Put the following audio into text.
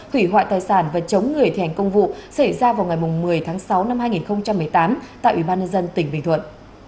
hủy hoại tài sản và chống người thi hành công vụ xảy ra vào ngày một mươi tháng sáu năm hai nghìn một mươi tám tại ubnd tỉnh bình thuận